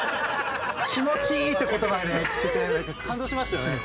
「気持ちいい」って言葉がね聞けた時感動しましたよね。